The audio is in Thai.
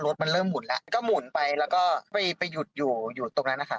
รถมันเริ่มหุ่นแล้วก็หมุนไปแล้วก็ไปหยุดอยู่อยู่ตรงนั้นนะคะ